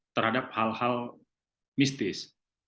terhadap hal hal mistis